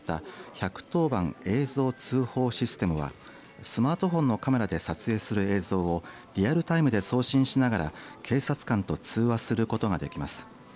１１０番映像通報システムはスマートフォンのカメラで撮影する映像をリアルタイムで送信しながら警察官と通話することができます。